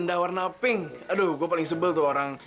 mau ngapain sih lu sih